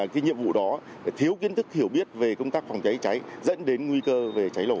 cái nhiệm vụ đó thiếu kiến thức hiểu biết về công tác phòng cháy cháy dẫn đến nguy cơ về cháy nổ